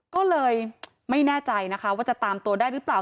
ก็เลยไม่แน่ใจนะคะว่าจะตามตัวได้หรือเปล่า